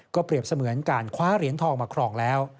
เปรียบเสมือนการคว้าเหรียญทองมาครองแล้ว